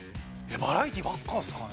バラエティーばっかですかね。